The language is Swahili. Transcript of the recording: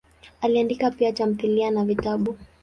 Aliandika pia tamthilia na vitabu.